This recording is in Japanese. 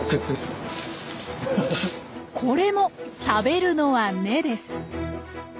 これも食べるのは根です。